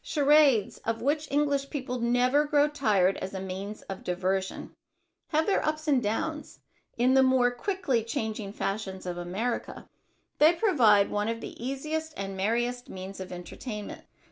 Charades, of which English people never grow tired, as a means of diversion, have their ups and downs in the more quickly changing fashions of America. They provide one of the easiest and merriest means of entertainment.